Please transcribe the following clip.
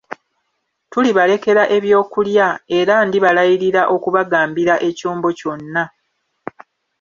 Tulibalekera ebyokulya era ndibalayirira okubagambira ekyombo kyonna.